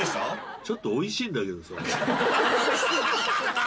ちょっとおいしいんだけどさ。